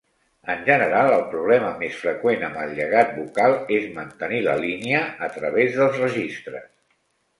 En general, el problema més freqüent amb el llegat vocal és mantenir la "línia" a través dels registres.